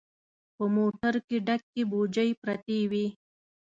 په موټر کې ډکې بوجۍ پرتې وې.